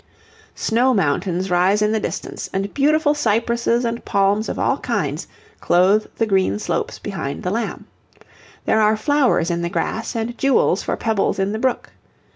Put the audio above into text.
Snow mountains rise in the distance, and beautiful cypresses and palms of all kinds clothe the green slopes behind the Lamb. There are flowers in the grass and jewels for pebbles in the brook.